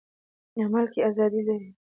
عمل کې ازادي لري.